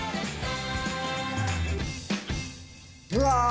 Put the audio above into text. うわ！